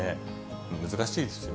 難しいですよ。